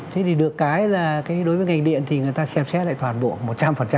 thế thì được cái là đối với ngành điện thì người ta xem xét lại toàn bộ một trăm linh